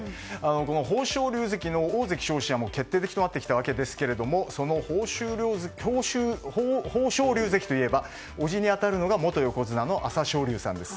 この豊昇龍関の大関昇進は決定的となってきたわけですがその豊昇龍関といえば叔父に当たるのが元横綱の朝青龍さんです。